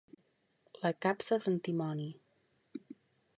La capsa d'antimoni.